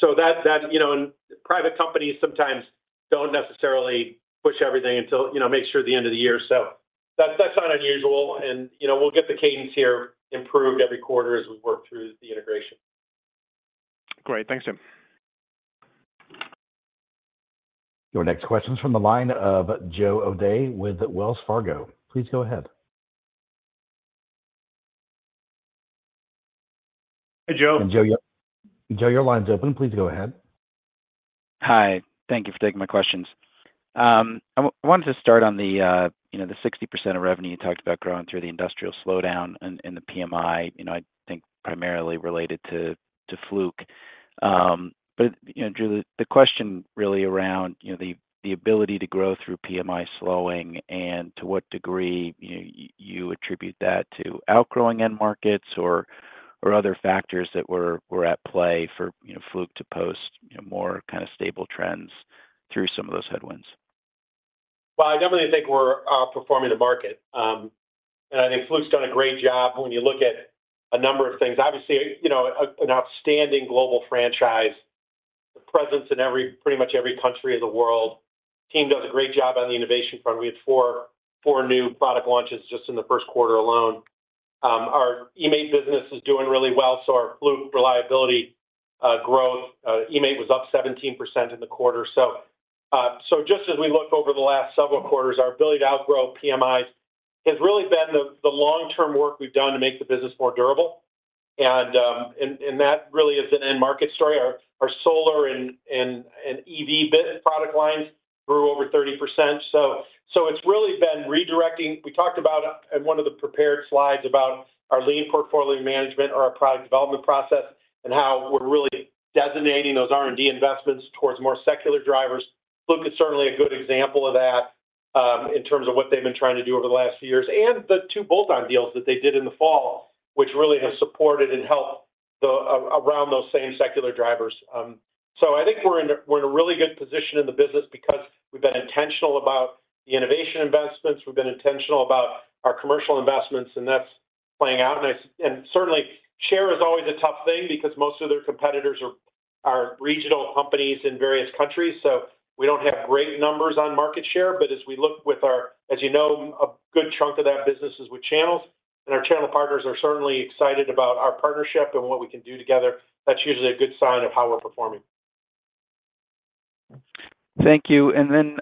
Speaker 3: so that and private companies sometimes don't necessarily push everything until make sure the end of the year. So that's not unusual and we'll get the cadence here improved every quarter as we work through the integration.
Speaker 12: Great. Thanks, Jim.
Speaker 1: Your next question is from the line of Joe O'Dea with Wells Fargo. Please go ahead.
Speaker 3: Hey Joe.
Speaker 1: Joe, your line's open. Please go ahead.
Speaker 13: Hi, thank you for taking my questions. I wanted to start on the 60% of revenue you talked about growing through the industrial slowdown and the PMI I think primarily related to Fluke. But Drew the question really around the ability to grow through PMI slowing and to what degree you attribute that to outgrowing end markets or other factors that were at play for Fluke to post more kind of stable trends through some of those headwinds.
Speaker 3: Well, I definitely think we're performing the market. And I think Fluke's done a great job when you look at a number of things. Obviously an outstanding global franchise. The presence in pretty much every country of the world. Team does a great job on the innovation front. We had four new product launches just in the first quarter alone. Our eMaint business is doing really well, so our Fluke Reliability growth eMaint was up 17% in the quarter. So just as we look over the last several quarters, our ability to outgrow PMIs has really been the long-term work we've done to make the business more durable. And that really is an end market story. Our solar and EV product lines grew over 30%. So it's really been redirecting. We talked about in one of the prepared slides about our Lean Portfolio Management or our product development process and how we're really designating those R&D investments towards more secular drivers. Fluke is certainly a good example of that in terms of what they've been trying to do over the last few years and the two bolt-on deals that they did in the fall which really have supported and helped around those same secular drivers. So I think we're in a really good position in the business because we've been intentional about the innovation investments. We've been intentional about our commercial investments and that's playing out nice. And certainly share is always a tough thing because most of their competitors are regional companies in various countries. So we don't have great numbers on market share, but as we look, with our—as you know—a good chunk of that business is with channels, and our channel partners are certainly excited about our partnership and what we can do together. That's usually a good sign of how we're performing.
Speaker 13: Thank you. Then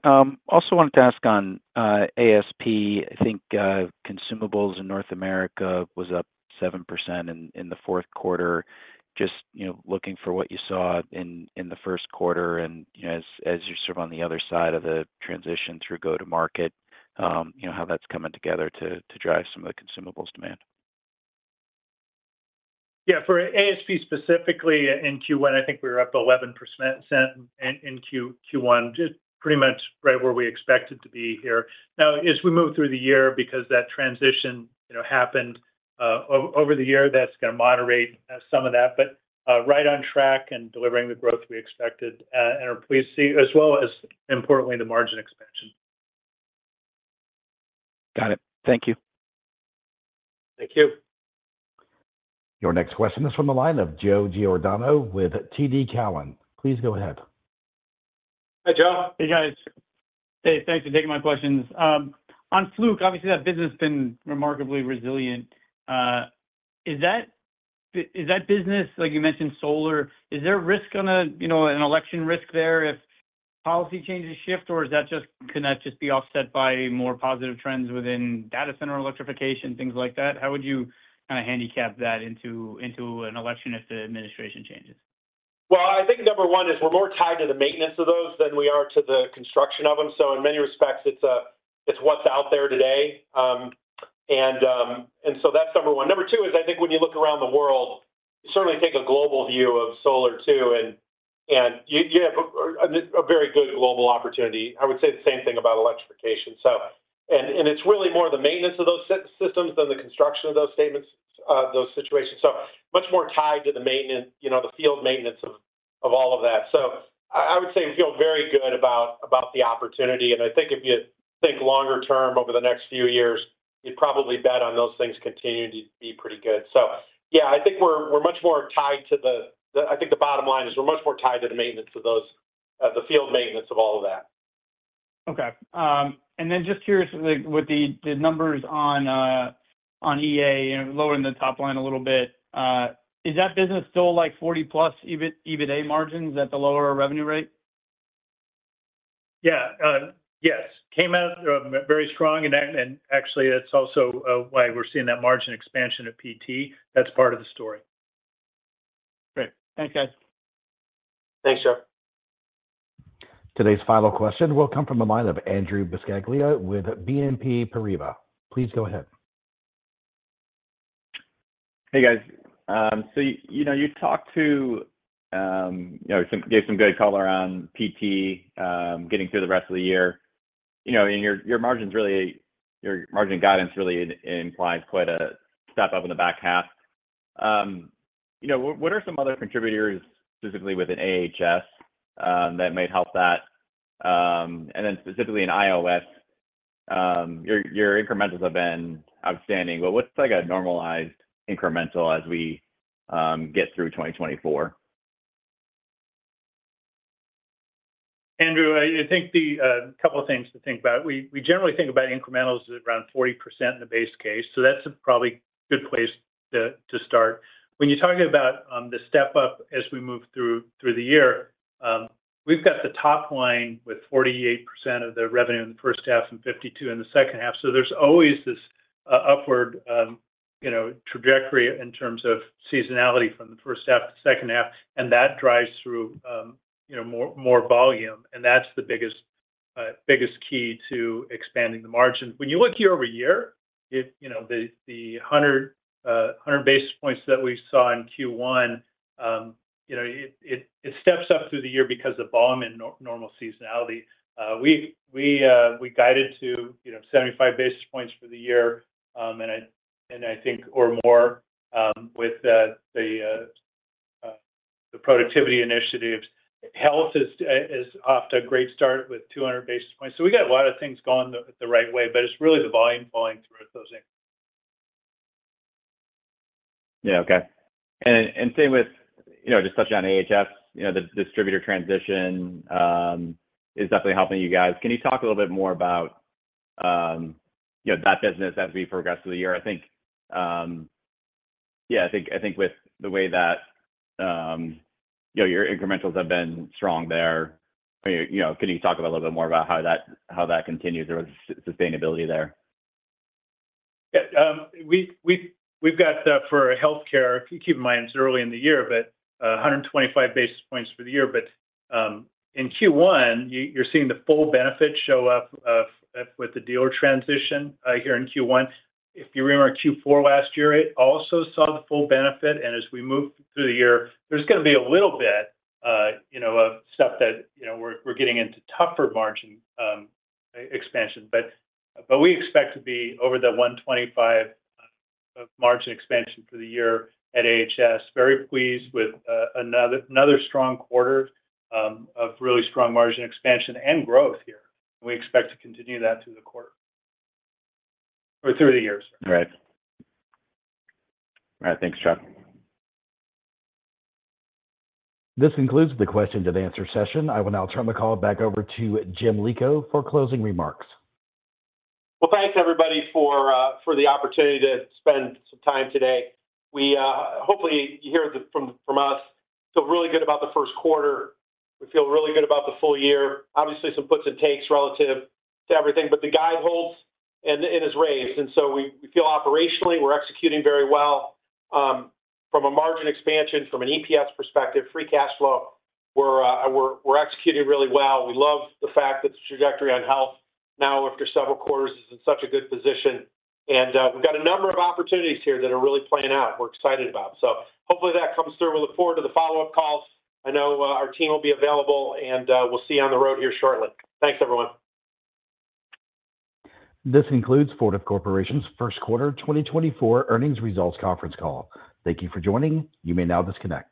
Speaker 13: also wanted to ask on ASP. I think consumables in North America was up 7% in the fourth quarter. Just looking for what you saw in the first quarter and as you're sort of on the other side of the transition through go-to-market how that's coming together to drive some of the consumables demand.
Speaker 4: Yeah, for ASP specifically in Q1, I think we were up 11% in Q1. Just pretty much right where we expected to be here. Now, as we move through the year, because that transition happened over the year, that's going to moderate some of that, but right on track and delivering the growth we expected and are pleased to see, as well as, importantly, the margin expansion.
Speaker 13: Got it. Thank you.
Speaker 3: Thank you.
Speaker 1: Your next question is from the line of Joe Giordano with TD Cowen. Please go ahead.
Speaker 14: Hi, Joe. Hey, guys. Hey, thanks for taking my questions. On Fluke, obviously that business has been remarkably resilient. Is that business like you mentioned solar is there a risk on an election risk there if policy changes shift or can that just be offset by more positive trends within data center electrification things like that? How would you kind of handicap that into an election if the administration changes?
Speaker 3: Well, I think number one is we're more tied to the maintenance of those than we are to the construction of them. So in many respects it's what's out there today. And so that's number one. Number two is I think when you look around the world you certainly take a global view of solar too and you have a very good global opportunity. I would say the same thing about electrification. And it's really more the maintenance of those systems than the construction of those statements, those situations. So much more tied to the maintenance, the field maintenance of all of that. So I would say we feel very good about the opportunity. And I think if you think longer term over the next few years you'd probably bet on those things continuing to be pretty good. So yeah, I think the bottom line is we're much more tied to the maintenance of those, the field maintenance of all of that.
Speaker 14: Okay. And then just curious with the numbers on EA lower in the top line a little bit, is that business still like 40+ EBITDA margins at the lower revenue rate?
Speaker 4: Yeah. Yes. Came out very strong and actually that's also why we're seeing that margin expansion at PT. That's part of the story.
Speaker 14: Great. Thanks guys.
Speaker 3: Thanks Joe.
Speaker 1: Today's final question will come from the line of Andrew Buscaglia with BNP Paribas. Please go ahead.
Speaker 15: Hey guys. So you talked and gave some good color on PT getting through the rest of the year. And your margins really your margin guidance really implies quite a step up in the back half. What are some other contributors specifically within AHS that might help that? And then specifically in IOS your incrementals have been outstanding. But what's a normalized incremental as we get through 2024?
Speaker 4: Andrew, I think the couple of things to think about. We generally think about incrementals around 40% in the base case. So that's probably a good place to start. When you talk about the step up as we move through the year, we've got the top line with 48% of the revenue in the first half and 52% in the second half. So there's always this upward trajectory in terms of seasonality from the first half to second half and that drives through more volume. That's the biggest key to expanding the margin. When you look year-over-year, the 100 basis points that we saw in Q1 it steps up through the year because of volume and normal seasonality. We guided to 75 basis points for the year and I think or more with the productivity initiatives. Health is off to a great start with 200 basis points. So we got a lot of things going the right way but it's really the volume falling through those increments.
Speaker 15: Yeah, okay. And same with just touching on AHS, the distributor transition is definitely helping you guys. Can you talk a little bit more about that business as we progress through the year? I think yeah I think with the way that your incrementals have been strong there, can you talk a little bit more about how that continues or sustainability there?
Speaker 4: Yeah. We've got for healthcare keep in mind it's early in the year but 125 basis points for the year. But in Q1 you're seeing the full benefit show up with the dealer transition here in Q1. If you remember Q4 last year it also saw the full benefit and as we move through the year there's going to be a little bit of stuff that we're getting into tougher margin expansion. But we expect to be over the 125 margin expansion for the year at AHS. Very pleased with another strong quarter of really strong margin expansion and growth here. We expect to continue that through the quarter or through the year.
Speaker 15: Right. All right. Thanks Chuck.
Speaker 1: This concludes the question-and-answer session. I will now turn the call back over to Jim Lico for closing remarks.
Speaker 3: Well, thanks everybody for the opportunity to spend some time today. Hopefully you hear from us feel really good about the first quarter. We feel really good about the full year. Obviously some puts and takes relative to everything but the guide holds and is raised. And so we feel operationally we're executing very well from a margin expansion from an EPS perspective. Free cash flow we're executing really well. We love the fact that the trajectory on health now after several quarters is in such a good position. And we've got a number of opportunities here that are really playing out, we're excited about. So hopefully that comes through. We look forward to the follow-up calls. I know our team will be available and we'll see you on the road here shortly. Thanks everyone.
Speaker 1: This concludes Fortive Corporation's first quarter 2024 earnings results conference call. Thank you for joining. You may now disconnect.